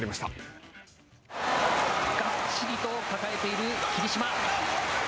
がっちりと抱えている霧島。